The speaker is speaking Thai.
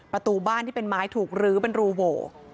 ประตูบ้านที่เป็นไม้ถูกรื้อเป็นรูโหว